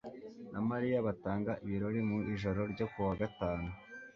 na Mariya batanga ibirori mu ijoro ryo ku wa gatanu